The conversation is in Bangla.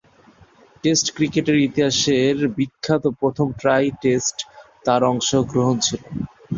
টেস্ট ক্রিকেটের ইতিহাসের বিখ্যাত প্রথম টাই টেস্টে তার অংশগ্রহণ ছিল।